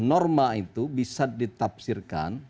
norma itu bisa ditafsirkan